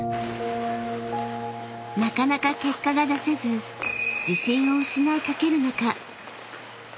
［なかなか結果が出せず自信を失いかける中］